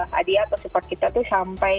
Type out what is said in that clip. hadiah atau support kita tuh sampai